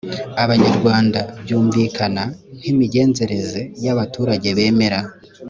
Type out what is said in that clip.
abanyarwanda byumvikana nk imigenzereze y abaturage bemera